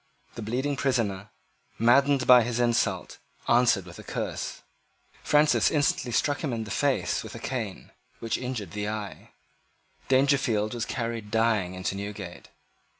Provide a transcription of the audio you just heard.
The bleeding prisoner, maddened by this insult, answered with a curse. Francis instantly struck him in the face with a cane which injured the eye. Dangerfield was carried dying into Newgate.